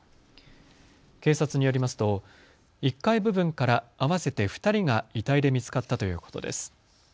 警察によりますと１階部分から合わせて２人が遺体で見つかったということです。